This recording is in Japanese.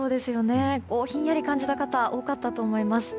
ひんやり感じた方多かったと思います。